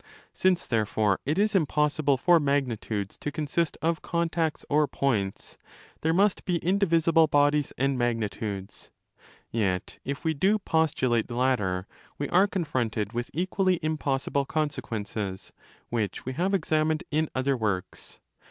Since, therefore, it is impossible for magnitudes to consist of contacts or points, there must be indivisible bodies and magnitudes. Yet, if we do postulate the latter, we are confronted with equally impossible consequences, which we have examined in other works.